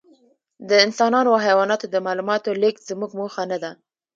د انسانانو او حیواناتو د معلوماتو لېږد زموږ موخه نهده.